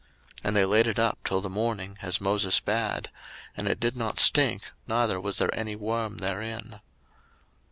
02:016:024 And they laid it up till the morning, as Moses bade: and it did not stink, neither was there any worm therein.